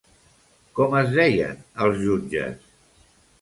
Com es deien els jutges?